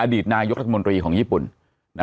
อดีตนายกรัฐมนตรีของญี่ปุ่น